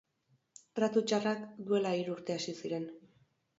Tratu txarrak duela hiru urte hasi ziren.